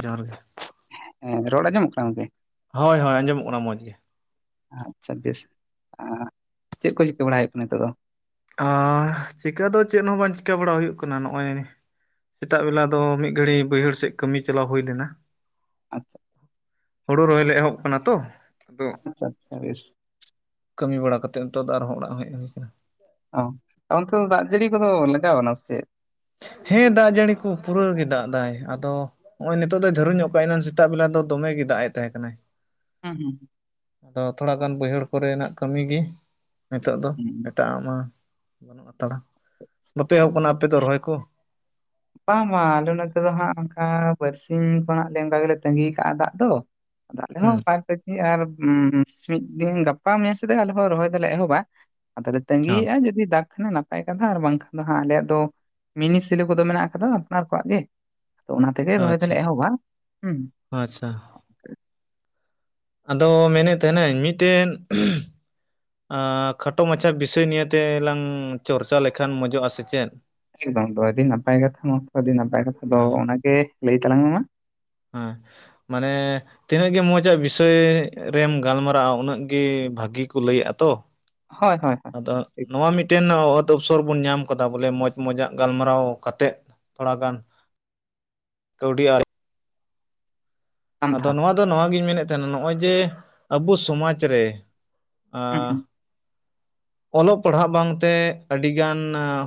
ᱡᱚᱸᱦᱟᱨ ᱜᱮ᱾ ᱦᱮᱸ ᱨᱚᱲ ᱟᱸᱡᱚᱢᱚᱜ ᱠᱟᱱᱟ? ᱜᱚᱝᱠᱮ᱾ ᱦᱳᱭ ᱦᱳᱭ ᱟᱸᱡᱚᱢᱚᱜ ᱠᱟᱱᱟ ᱢᱚᱡᱽ ᱜᱮ᱾ ᱟᱪᱪᱷᱟ ᱵᱮᱥ ᱟᱸ ᱪᱮᱫ ᱠᱚ ᱪᱤᱠᱟᱹ ᱵᱟᱲᱟᱭ ᱦᱩᱭᱩᱜ ᱠᱟᱱᱟ ᱱᱤᱛᱚᱜ ᱫᱚ? ᱟᱻ ᱪᱤᱠᱟᱹ ᱫᱚ ᱪᱮᱫ ᱦᱚᱸ ᱵᱟᱝ ᱪᱤᱠᱟᱹ ᱵᱟᱲᱟ ᱦᱩᱭᱩᱜ ᱠᱟᱱᱟ ᱱᱚᱜᱼᱚᱭ ᱥᱮᱛᱟᱜ ᱵᱮᱞᱟ ᱫᱚ ᱢᱤᱫ ᱜᱷᱟᱹᱲᱤᱡ ᱵᱟᱹᱭᱦᱟᱹᱲ ᱥᱮᱫ ᱠᱟᱹᱢᱤ ᱪᱟᱞᱟᱣ ᱦᱩᱭ ᱞᱮᱱᱟ᱾ ᱟᱪᱪᱷᱟ᱾ ᱦᱩᱲᱩ ᱨᱚᱦᱚᱭ ᱞᱮ ᱮᱦᱚᱵ ᱠᱟᱱᱟ ᱛᱚ᱾ ᱟᱫᱚ ᱟᱪᱪᱷᱟ ᱟᱪᱪᱷᱟ ᱵᱮᱥ᱾ ᱠᱟᱹᱢᱤ ᱵᱟᱲᱟ ᱠᱟᱛᱮᱫ ᱱᱤᱛᱚᱜ ᱫᱚ ᱟᱨᱦᱚᱸ ᱚᱲᱟᱜ ᱦᱮᱡ ᱦᱩᱭ ᱠᱟᱱᱟ᱾ ᱚ ᱚᱱᱛᱮ ᱫᱚ ᱫᱟᱜ, ᱡᱟᱹᱲᱤ ᱠᱚᱫᱚ ᱞᱟᱜᱟᱣ ᱱᱟ ᱥᱮ ᱪᱮᱫ? ᱦᱮᱸ ᱫᱟᱜ ᱡᱟᱹᱲᱤ ᱠᱚ ᱯᱩᱨᱟᱹᱣ ᱜᱮ ᱫᱟᱜ ᱫᱟᱭ ᱟᱫᱚ ᱦᱚᱸᱜᱼᱚᱭ ᱱᱤᱛᱳᱜ ᱫᱚ ᱫᱷᱚᱨᱚ ᱧᱚᱜ ᱠᱟᱭ, ᱮᱱᱟᱱ ᱥᱮᱛᱟᱜ ᱵᱮᱞᱟ ᱫᱚ ᱫᱚᱢᱮ ᱜᱮ ᱫᱟᱜ ᱮᱫ ᱛᱟᱦᱮᱸ ᱠᱟᱱᱟᱭ᱾ ᱦᱩᱸ ᱦᱩᱸ᱾ ᱟᱫᱚ ᱛᱷᱚᱲᱟᱜᱟᱱ ᱵᱟᱹᱭᱦᱟᱹᱲ ᱠᱚᱨᱮᱱᱟᱜ ᱠᱟᱹᱢᱤ ᱜᱮ, ᱱᱤᱛᱚᱜ ᱫᱚ ᱦᱩᱸ ᱮᱴᱟᱜᱼᱟᱜ ᱢᱟ ᱵᱟᱹᱱᱩᱜ ᱦᱟᱛᱟᱲᱟ᱾ ᱵᱟᱯᱮ ᱮᱦᱚᱵ ᱦᱩᱸ᱾ ᱠᱟᱱᱟ ᱟᱯᱮ ᱫᱚ ᱨᱚᱦᱚᱭ ᱠᱚ? ᱵᱟᱝ ᱵᱟᱝ ᱟᱞᱮ ᱱᱚᱛᱮ ᱫᱚ ᱦᱟᱸᱜ, ᱚᱱᱠᱟ ᱵᱟᱨᱥᱤᱧ ᱠᱷᱚᱱᱟᱜ ᱞᱮ ᱚᱱᱠᱟ ᱜᱮᱞᱮ ᱛᱟᱸᱜᱤ ᱠᱟᱜᱼᱟ, ᱫᱟᱜ ᱫᱚ᱾ ᱟᱫᱚ ᱟᱞᱮ ᱢᱟ ᱦᱩᱸ [unintelligible] ᱟᱨ ᱩᱸ ᱦᱩᱸᱢ ᱢᱤᱫ ᱫᱤᱱ ᱜᱟᱯᱟ ᱢᱮᱭᱟᱝ ᱥᱮᱫ ᱛᱮᱜᱮ ᱞᱮ ᱟᱞᱮ ᱦᱚᱸ ᱨᱚᱦᱚᱭ ᱫᱚᱞᱮ ᱮᱦᱚᱵᱟ᱾ ᱟᱫᱚᱞᱮ ᱦᱚᱸ ᱛᱟᱸᱜᱤᱭᱮᱫᱼᱟ ᱡᱩᱫᱤ ᱫᱟᱜ ᱠᱷᱟᱱᱮ ᱱᱟᱯᱟᱭ ᱠᱟᱛᱷᱟ ᱟᱨ ᱵᱟᱝᱠᱷᱟᱱ ᱫᱚ ᱦᱟᱸᱜ ᱟᱞᱮᱭᱼᱟᱜ ᱫᱚ ᱢᱤᱱᱤ ᱥᱮᱞᱳ ᱠᱚᱫᱚ ᱢᱮᱱᱟᱜ ᱟ ᱟᱫᱚ ᱟᱯᱱᱟᱨ ᱠᱚᱣᱟᱜ ᱜᱮ, ᱟᱫᱚ ᱚᱱᱟ ᱛᱮᱜᱮ ᱨᱚᱦᱚᱭ ᱟᱪᱪᱷᱟ ᱫᱚᱞᱮ ᱮᱦᱚᱵᱟ᱾ ᱦᱩᱸ᱾ ᱟᱪᱪᱷᱟ᱾ ᱟᱫᱚ ᱢᱮᱱᱮᱫ ᱛᱟᱦᱮᱱᱟᱹᱧ ᱢᱤᱫᱴᱮᱱ ᱟᱸ ᱠᱷᱟᱴᱚ ᱢᱟᱪᱷᱟ ᱵᱤᱥᱚᱭ ᱱᱤᱭᱮ ᱛᱮᱞᱟᱝ ᱪᱚᱨᱪᱟ ᱞᱮᱠᱷᱟᱱ ᱢᱚᱡᱚᱜᱼᱟ ᱥᱮᱪᱮᱫ᱾ ᱮᱠᱫᱚᱢ ᱫᱚ ᱟᱹᱰᱤ ᱱᱟᱯᱟᱭ ᱠᱟᱛᱷᱟ ᱱᱚᱣᱟ ᱠᱚᱦᱚ ᱟᱹᱰᱤ ᱱᱟᱯᱟᱭ ᱠᱟᱛᱷᱟ ᱫᱚ, ᱦᱮᱸ ᱚᱱᱟᱜᱮ ᱞᱟᱹᱭ ᱛᱟᱞᱟᱝ ᱢᱮ ᱢᱟ᱾ ᱦᱮᱸ, ᱢᱟᱱᱮ ᱛᱤᱱᱟᱹᱜ ᱜᱮ ᱢᱚᱸᱡᱽᱜᱼᱟ ᱵᱤᱥᱚᱭ ᱨᱮᱢ ᱜᱟᱞᱢᱟᱨᱟᱜᱼᱟ, ᱩᱱᱟᱹᱜ ᱜᱮ ᱵᱷᱟᱹᱜᱤ ᱠᱚ ᱞᱟᱹᱭᱟᱼᱟᱜ ᱛᱚ᱾ ᱦᱳᱭ - ᱦᱳᱭ -ᱦᱳᱭ ᱟᱫᱚ ᱴᱷᱤᱠ ᱱᱚᱣᱟ ᱢᱤᱫᱴᱮᱱ ᱚᱛ ᱚᱯᱥᱚᱨ ᱵᱚᱱ ᱧᱟᱢ ᱠᱟᱫᱟ, ᱵᱚᱞᱮ ᱢᱚᱸᱡᱽ ᱢᱚᱸᱡᱽᱟᱜ ᱜᱟᱞᱢᱟᱨᱟᱣ ᱠᱟᱛᱮᱫ ᱛᱷᱚᱲᱟ ᱜᱟᱱ ᱠᱟᱹᱣᱰᱤ ᱟᱭ ᱟᱫᱚ ᱠᱟᱱᱛᱷᱟ ᱱᱚᱣᱟ ᱫᱚ ᱱᱚᱣᱟᱜᱤᱧ ᱢᱮᱱᱮᱫ ᱛᱟᱦᱮᱱᱟ᱾ ᱱᱚᱜᱼᱚᱭ ᱡᱮ ᱟᱵᱚ ᱥᱚᱢᱟᱡᱽ ᱨᱮ ᱦᱩᱸ ᱟᱸ ᱦᱩᱸ ᱚᱞᱚᱜ ᱯᱟᱲᱦᱟᱜ ᱵᱟᱝᱛᱮ ᱟᱹᱰᱤ ᱜᱟᱱ